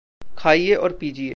खाइए और पीजिए।